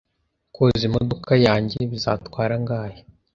Koza imodoka yanjye bizatwara angahe?